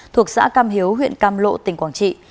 thuộc xã cam hiếu huyện cam lộ tỉnh quảng trị